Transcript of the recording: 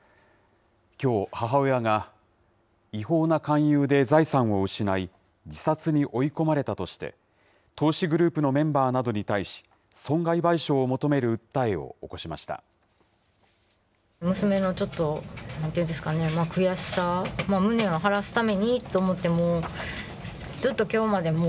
きょう、母親が、違法な勧誘で財産を失い、自殺に追い込まれたとして、投資グループのメンバーなどに対し、損害賠償を求める訴えを起こしました。